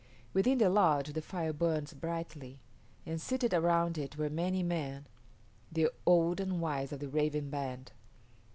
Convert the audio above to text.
Within the lodge the fire burned brightly, and seated around it were many men, the old and wise of the Raven band.